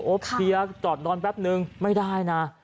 โอ๊บเทียกจอดนอนแป๊บนึงไม่ได้นะ